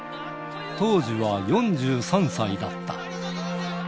当時は４３歳だった。